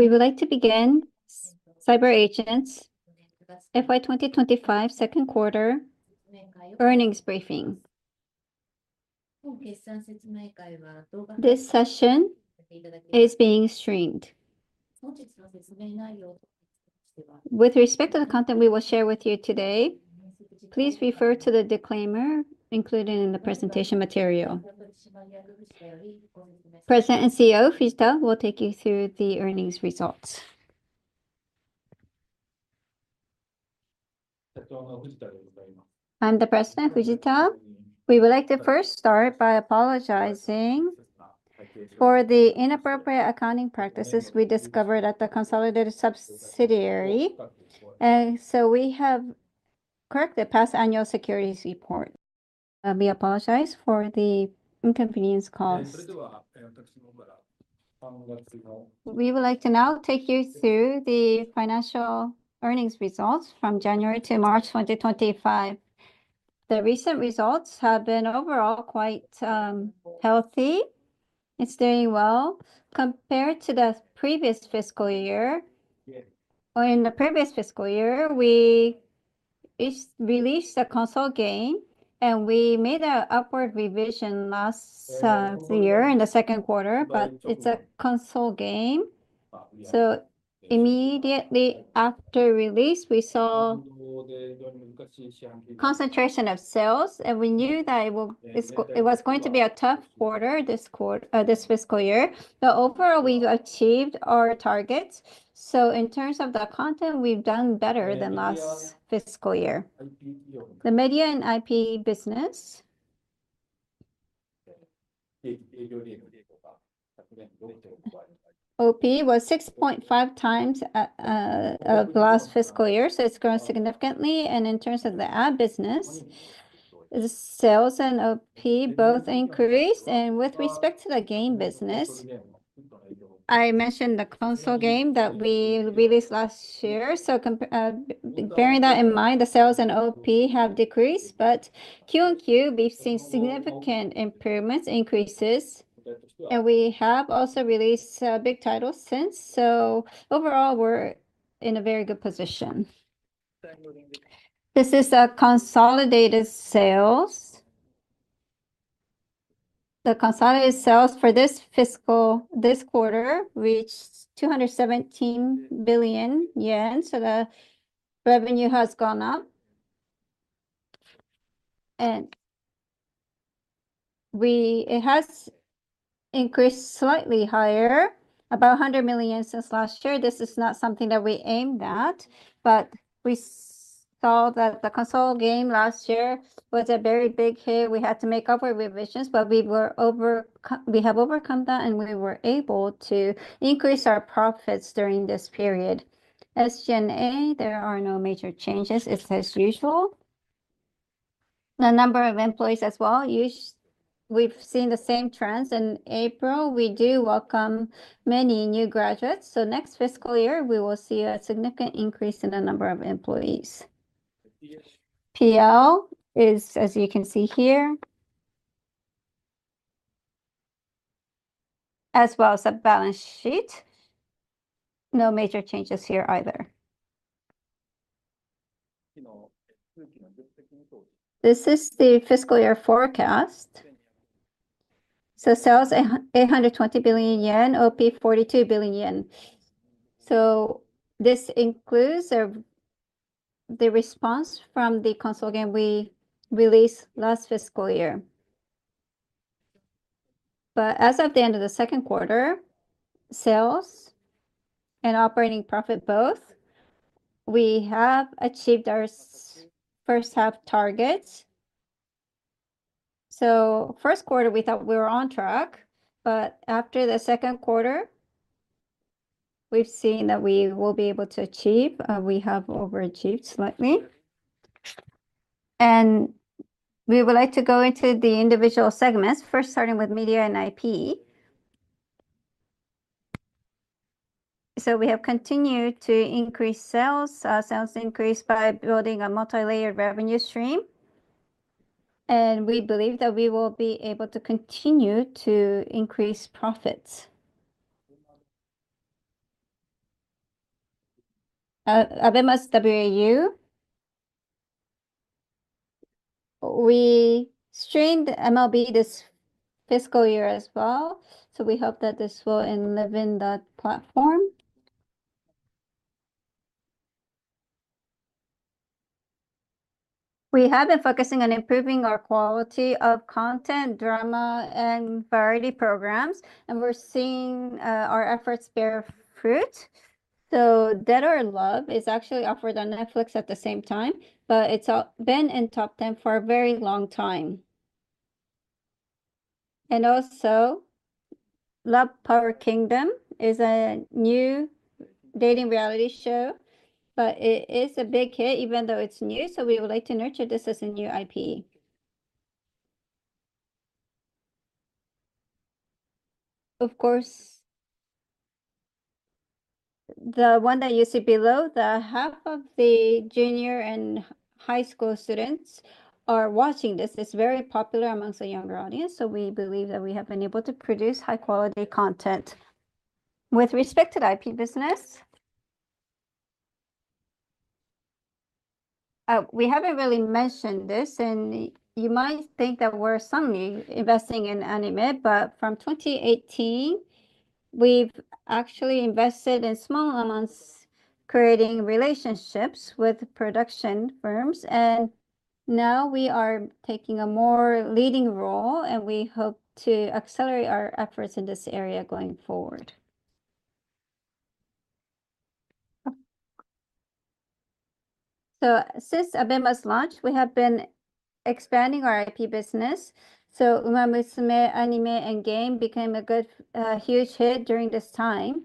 We would like to begin CyberAgent's FY 2025 second quarter earnings briefing. This session is being streamed. With respect to the content we will share with you today, please refer to the disclaimer included in the presentation material. President and CEO Fujita will take you through the earnings results. I'm the President Fujita. We would like to first start by apologizing for the inappropriate accounting practices we discovered at the consolidated subsidiary. We have corrected past annual securities report. We apologize for the inconvenience caused. We would like to now take you through the financial earnings results from January to March 2025. The recent results have been overall quite healthy. It's doing well compared to the previous fiscal year. In the previous fiscal year, we released a consolidated gain, and we made an upward revision last year in the second quarter, but it's a consolidated gain. Immediately after release, we saw concentration of sales, and we knew that it was going to be a tough quarter this fiscal year. Overall, we achieved our targets. In terms of the content, we've done better than last fiscal year. The media and IP business. OP was 6.5 times of last fiscal year, so it's grown significantly. In terms of the ad business, sales and OP both increased. With respect to the game business, I mentioned the consolidated game that we released last year. Bearing that in mind, the sales and OP have decreased, but Q&Q, we've seen significant improvements, increases. We have also released big titles since. Overall, we're in a very good position. This is a consolidated sales. The consolidated sales for this fiscal quarter reached 217 billion yen. The revenue has gone up. It has increased slightly higher, about 100 million since last year. This is not something that we aimed at, but we saw that the consolidated game last year was a very big hit. We had to make up for revisions, but we have overcome that, and we were able to increase our profits during this period. SG&A, there are no major changes. It's as usual. The number of employees as well. We've seen the same trends in April. We do welcome many new graduates. Next fiscal year, we will see a significant increase in the number of employees. PL is, as you can see here, as well as a balance sheet. No major changes here either. This is the fiscal year forecast. Sales 820 billion yen, OP 42 billion yen. This includes the response from the consolidated game we released last fiscal year. As of the end of the second quarter, sales and operating profit both, we have achieved our first-half targets. First quarter, we thought we were on track, but after the second quarter, we've seen that we will be able to achieve, and we have overachieved slightly. We would like to go into the individual segments, first starting with media and IP. We have continued to increase sales. Sales increased by building a multi-layered revenue stream. We believe that we will be able to continue to increase profits. ABEMA's WAU. We streamed MLB this fiscal year as well. We hope that this will live in that platform. We have been focusing on improving our quality of content, drama, and variety programs, and we're seeing our efforts bear fruit. Dead or Alive is actually offered on Netflix at the same time, but it's been in top 10 for a very long time. Love Power Kingdom is a new dating reality show, but it is a big hit even though it's new. We would like to nurture this as a new IP. Of course, the one that you see below, half of the junior and high school students are watching this. It's very popular amongst the younger audience. We believe that we have been able to produce high-quality content. With respect to the IP business, we haven't really mentioned this, and you might think that we're suddenly investing in anime, but from 2018, we've actually invested in small amounts, creating relationships with production firms. Now we are taking a more leading role, and we hope to accelerate our efforts in this area going forward. Since ABEMA launched, we have been expanding our IP business. Uma Musume anime and game became a good huge hit during this time.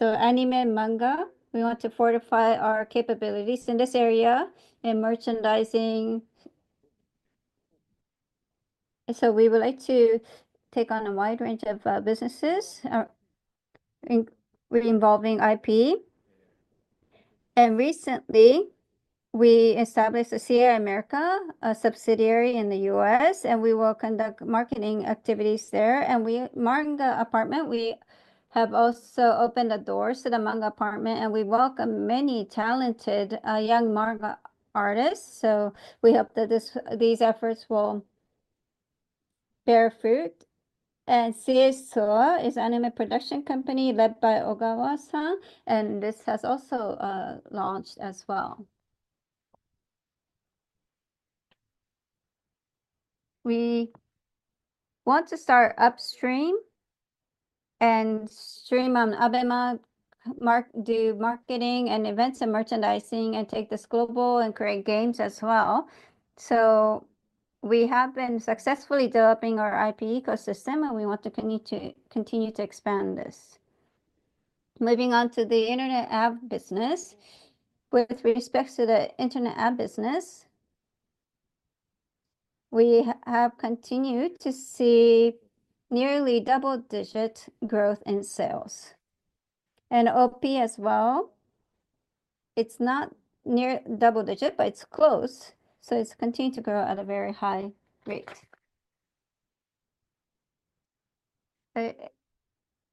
Anime manga, we want to fortify our capabilities in this area and merchandising. We would like to take on a wide range of businesses involving IP. Recently, we established CA America, a subsidiary in the U.S., and we will conduct marketing activities there. We manga apartment, we have also opened the doors to the manga apartment, and we welcome many talented young manga artists. We hope that these efforts will bear fruit. CA Soa is an anime production company led by Ogawasa, and this has also launched as well. We want to start upstream and stream on ABEMA, do marketing and events and merchandising, and take this global and create games as well. We have been successfully developing our IP ecosystem, and we want to continue to expand this. Moving on to the internet ad business. With respect to the internet ad business, we have continued to see nearly double-digit growth in sales. OP as well, it's not near double-digit, but it's close. It has continued to grow at a very high rate.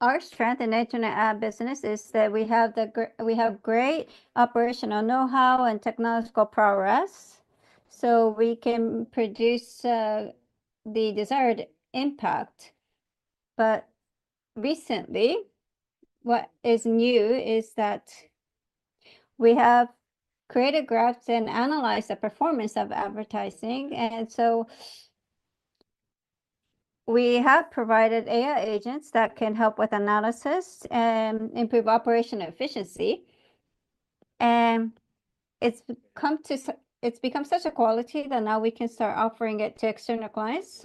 Our strength in the internet ad business is that we have great operational know-how and technological prowess. We can produce the desired impact. Recently, what is new is that we have created graphs and analyzed the performance of advertising. We have provided AI agents that can help with analysis and improve operational efficiency. It has become such a quality that now we can start offering it to external clients.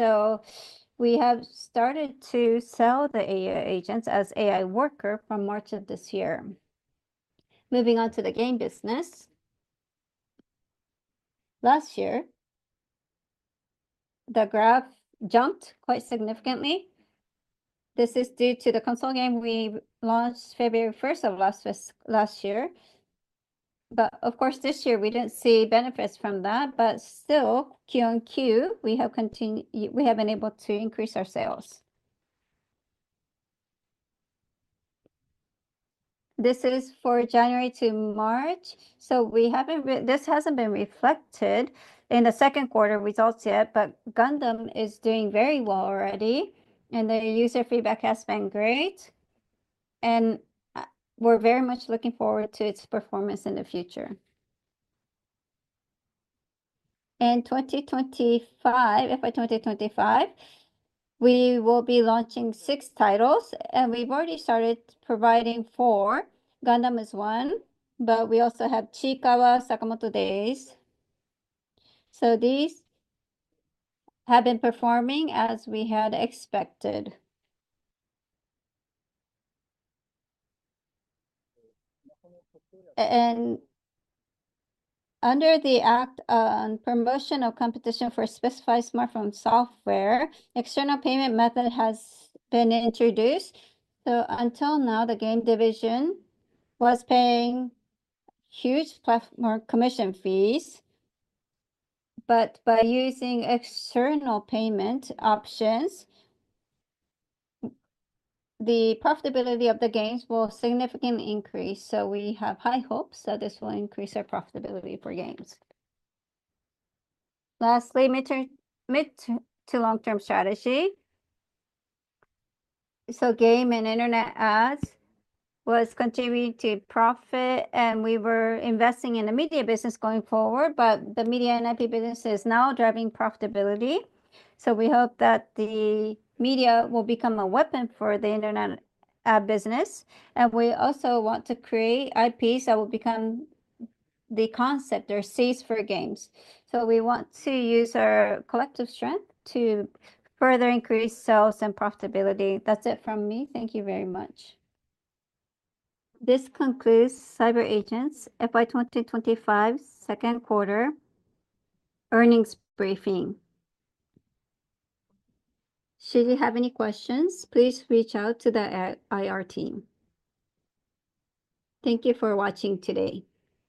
We have started to sell the AI agents as AI worker from March of this year. Moving on to the game business. Last year, the graph jumped quite significantly. This is due to the console game we launched February 1st of last year. Of course, this year we did not see benefits from that. Still, Q&Q, we have been able to increase our sales. This is for January to March. This has not been reflected in the second quarter results yet, but Gundam is doing very well already, and the user feedback has been great. We are very much looking forward to its performance in the future. In 2025, FY 2025, we will be launching six titles, and we have already started providing four. Gundam is one, but we also have Chikawa, Sakamoto Days. These have been performing as we had expected. Under the Act on Promotion of Competition for Specified Smartphone Software, external payment method has been introduced. Until now, the game division was paying huge commission fees. By using external payment options, the profitability of the games will significantly increase. We have high hopes that this will increase our profitability for games. Lastly, mid-to-long-term strategy. Game and internet ads was continuing to profit, and we were investing in the media business going forward, but the media and IP business is now driving profitability. We hope that the media will become a weapon for the internet ad business. We also want to create IPs that will become the concept or seeds for games. We want to use our collective strength to further increase sales and profitability. That's it from me. Thank you very much. This concludes CyberAgent's FY 2025 second quarter earnings briefing. Should you have any questions, please reach out to the IR team. Thank you for watching today.